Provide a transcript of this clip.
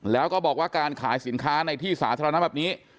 แล้วก็บอกว่าการขายสินค้าในที่สาธารณะแบบนี้